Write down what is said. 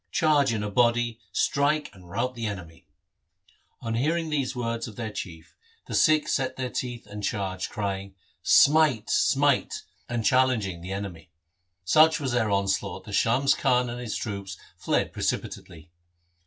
Charge in a body, strike and rout the enemy.' On hearing these words of their chief, 86 THE SIKH RELIGION the Sikhs set their teeth and charged, crying, ' Smite ! smite !' and challenging the enemy. Such was their onslaught that Shams Khan and his troops fled precipitately.